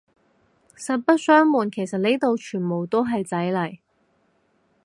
實不相暪，其實呢度全部都係仔嚟